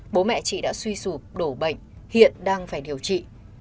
bố mẹ chị đã suy sụp đổ bệnh hiện đang phải điều trị